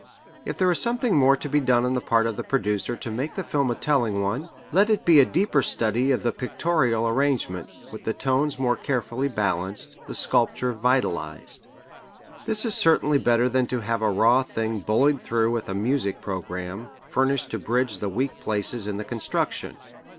If there is something more to be done on the part of the producer to make the film a telling one, let it be a deeper study of the pictorial arrangement, with the tones more carefully balanced, the sculpture vitalized. This is certainly better than to have a raw thing bullied through with a music programme, furnished to bridge the weak places in the construction.